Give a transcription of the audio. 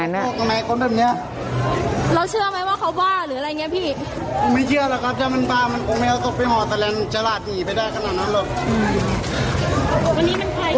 เราเชื่อไหมว่าเขาบ้าหรืออะไรอย่างนี้พี่